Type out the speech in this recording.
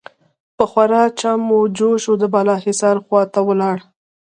په خورا جم و جوش د بالاحصار خوا ته ولاړل.